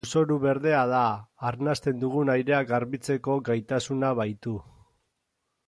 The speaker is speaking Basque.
Lurzoru berdea da, arnasten dugun airea garbitzeko gaitasuna baitu.